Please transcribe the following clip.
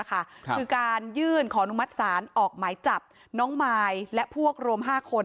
คือการยื่นขอนุมัติศาลออกหมายจับน้องมายและพวกรวม๕คน